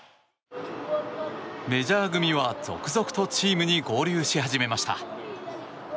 メジャー組は続々とチームに合流し始めました。